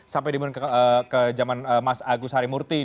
sampai ke zaman mas agus harimurti